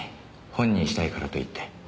本にしたいからと言って。